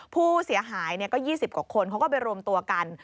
ผู้เสียหายก็๒๐กว่าคนเขาก็ไปรวมตัวกัน